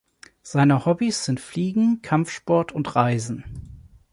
Seine Hobbys sind Fliegen, Kampfsport und Reisen.